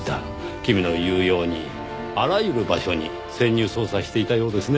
君の言うようにあらゆる場所に潜入捜査していたようですね。